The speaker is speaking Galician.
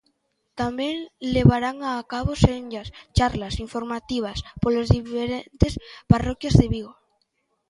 Tamén levarán a cabo senllas charlas informativas polas diferentes parroquias de Vigo.